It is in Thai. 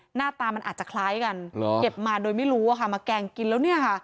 หน้าตามันอาจจะคล้ายกันเก็บมาโดยไม่รู้อะค่ะมาแกงกินแล้วเนี่ยค่ะ